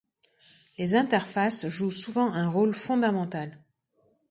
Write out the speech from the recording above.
Les interfaces jouent souvent un rôle fondamental.